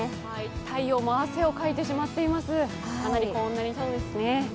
太陽も汗をかいてしまっています、かなり高温になりそうですね。